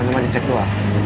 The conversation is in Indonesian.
bisa di cek dulu ah